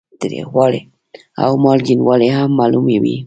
تریخوالی او مالګینوالی هم معلوموي.